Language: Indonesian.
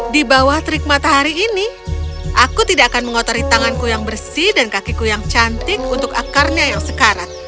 di bawah terik matahari ini aku tidak akan mengotori tanganku yang bersih dan kakiku yang cantik untuk akarnya yang sekarat